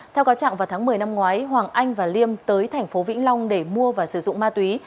theo có trạng vào tháng một mươi năm ngoái hoàng anh và liêm tới tp vĩnh long để mua và sử dụng ma túy